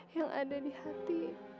yang ada di hati